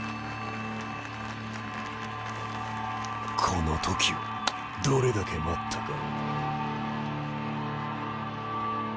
この時をどれだけ待ったか。